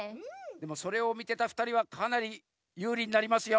それをみてたふたりはかなりゆうりになりますよ。